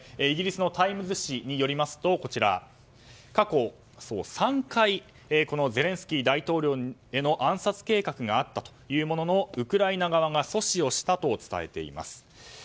イギリスのタイムズ紙によりますと過去３回ゼレンスキー大統領への暗殺計画があったというもののウクライナ側が阻止をしたと伝えています。